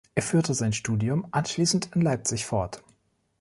Er führte sein Studium anschließend in Leipzig fort.